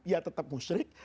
ya tetap musyrik